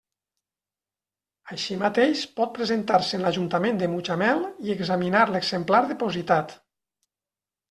Així mateix pot presentar-se en l'Ajuntament de Mutxamel i examinar l'exemplar depositat.